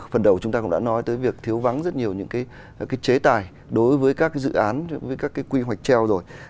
phần đầu chúng ta cũng đã nói tới việc thiếu vắng rất nhiều những cái chế tài đối với các dự án với các cái quy hoạch treo rồi